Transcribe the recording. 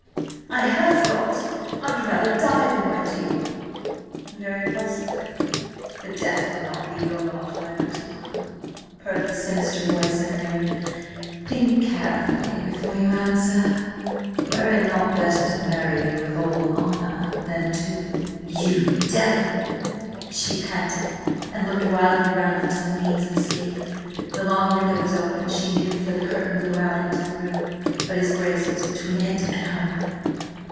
..." "I have thought! I would rather die than wed you!" "Very possibly. But death will not be your lot, my pretty one," purred the sinister voice in her ear. "Think carefully before you answer; were it not better to marry me with all honour than to—" "You devil!" she panted, and looked wildly round for some means of escape. The long window was open, she knew, for the curtain blew out into the room. But his Grace was between it and her.